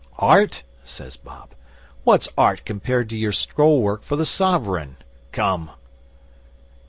'"Art?" says Bob. "What's Art compared to your scroll work for the SOVEREIGN? Come."